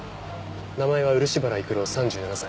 名前は漆原育郎３７歳。